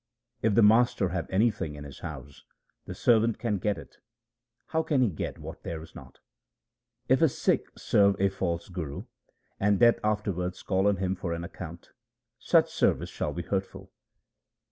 If the master have anything in his house, the servant can get it ; how can he get what there is not ? If a Sikh serve a false guru and Death afterwards call on him for an account, such service shall be hurtful.